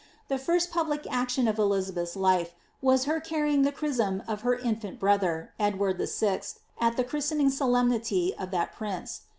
The first public action of Elizabeth's life was her carrying the chrisom of her infant brother, Edward VI., at the christening solemnity of that prince.